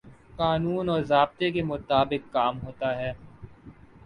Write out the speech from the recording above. قانون اور ضابطے کے مطابق کام ہوتے۔